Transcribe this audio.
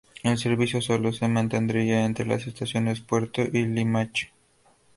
El servicio solo se mantendría entre las estaciones Puerto y Limache.